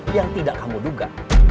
yang tidak kamu duga